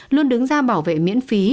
luôn đứng ra bảo vệ miễn phí